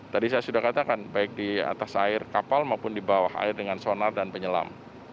tadi saya sudah katakan baik di atas air kapal maupun di bawah air dengan sonar dan penyelam